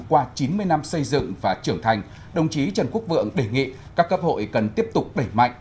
qua chín mươi năm xây dựng và trưởng thành đồng chí trần quốc vượng đề nghị các cấp hội cần tiếp tục đẩy mạnh